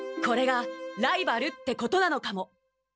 これがライバルってことなのかも。